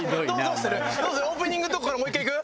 オープニングのとこからもう１回いく？